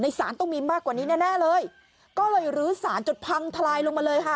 ในศาลต้องมีมากกว่านี้แน่เลยก็เลยหรือศาลจดพังทลายลงมาเลยค่ะ